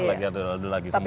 lagi adul adul lagi semarang